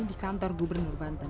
di kantor gubernur banten